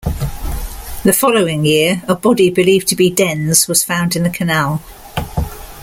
The following year, a body believed to be Den's was found in the canal.